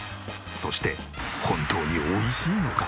そして本当に美味しいのか？